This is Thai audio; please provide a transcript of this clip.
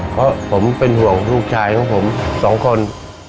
เพราะผมเป็นห่วงลูกชายของผมสองคน